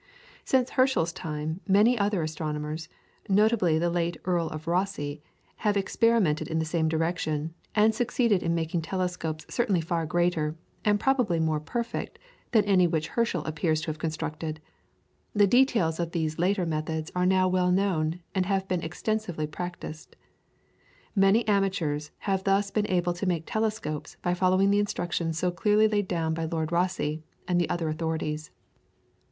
[PLATE: CAROLINE HERSCHEL.] Since Herschel's time many other astronomers, notably the late Earl of Rosse, have experimented in the same direction, and succeeded in making telescopes certainly far greater, and probably more perfect, than any which Herschel appears to have constructed. The details of these later methods are now well known, and have been extensively practised. Many amateurs have thus been able to make telescopes by following the instructions so clearly laid down by Lord Rosse and the other authorities.